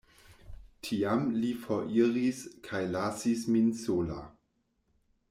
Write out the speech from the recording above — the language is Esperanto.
Tiam li foriris kaj lasis min sola.